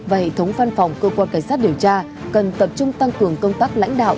và hệ thống văn phòng cơ quan cảnh sát điều tra cần tập trung tăng cường công tác lãnh đạo